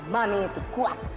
mami itu kuat